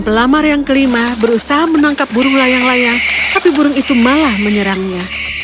pelamar yang kelima berusaha menangkap burung layang layang tapi burung itu malah menyerangnya